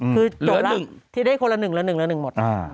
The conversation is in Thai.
คือที่ได้คนละ๑ละ๑ละ๑หมด